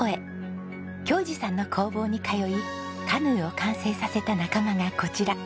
恭嗣さんの工房に通いカヌーを完成させた仲間がこちら。